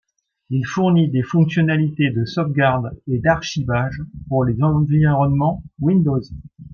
Il fournit des fonctionnalités de sauvegarde et d'archivage pour les environnements Windows.